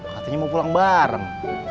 katanya mau pulang bareng